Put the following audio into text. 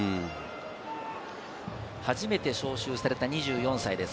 初めて招集された２４歳です。